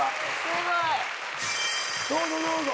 どうぞどうぞ。